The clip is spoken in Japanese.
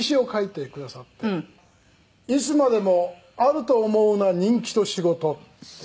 「“いつまでもあると思うな人気と仕事”っていう」